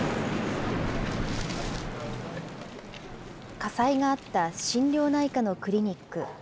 火災があった心療内科のクリニック。